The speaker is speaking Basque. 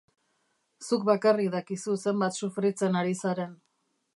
Zuk bakarrik dakizu zenbat sufritzen ari zaren.